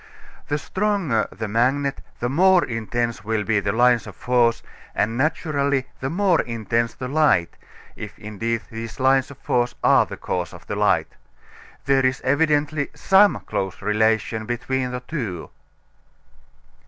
The stronger the magnet the more intense will be the lines of force, and naturally the more intense the light, if indeed these lines of force are the cause of the light. There is evidently some close relation between the two.